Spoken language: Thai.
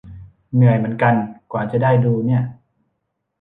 เหนื่อยเหมือนกัน กว่าจะได้ดูเนี่ย